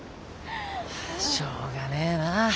しょうがねえな。